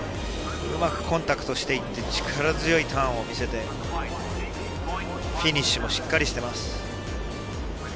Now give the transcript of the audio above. うまくコンタクトしていって力強いターンを見せてフィニッシュもしっかりしています。